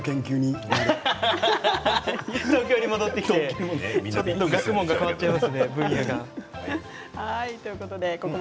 東京に戻ってきてちょっと学問の分野が変わっちゃいますね。